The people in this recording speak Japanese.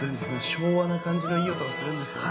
昭和な感じのいい音がするんですよね。